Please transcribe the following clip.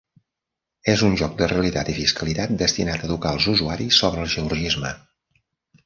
És un joc de realitat i fiscalitat destinat a educar els usuaris sobre el georgisme.